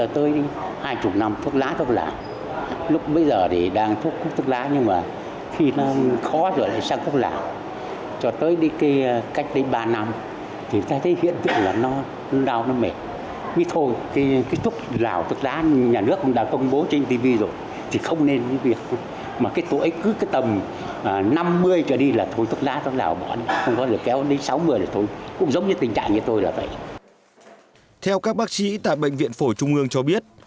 theo các bác sĩ tại bệnh viện phổi trung ương cho biết